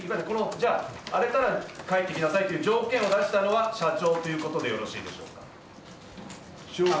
じゃあ、荒れたら帰ってきなさいという条件を出したのは社長ということでよろしいでしょうか。